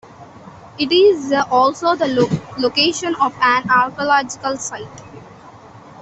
It is also the location of an archaeological site.